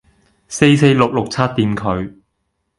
四四六六拆掂佢